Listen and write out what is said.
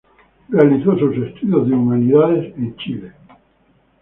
Realizó sus estudios de Humanidades en Chile.